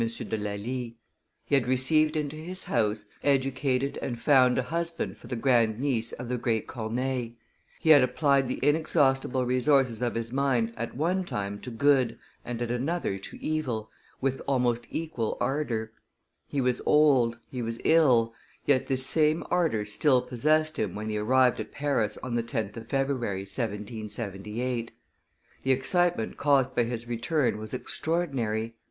de Lally; he had received into his house, educated and found a husband for the grand niece of the great Corneille; he had applied the inexhaustible resources of his mind at one time to good and at another to evil, with almost equal ardor; he was old, he was ill, yet this same ardor still possessed him when he arrived at Paris on the 10th of February, 1778. The excitement caused by his return was extraordinary.